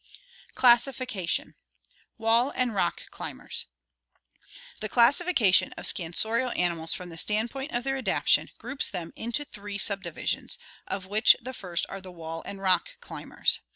Classification Wall and Rock Climbers.— The classification of scansorial ani mals from the standpoint of their adaptation groups them into three subdivisions, of which the first are the wall and rock climbers.